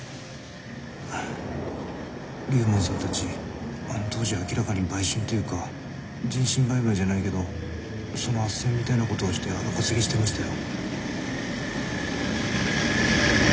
龍門さんたちあの当時明らかに売春っていうか人身売買じゃないけどその斡旋みたいなことをして荒稼ぎしてましたよ。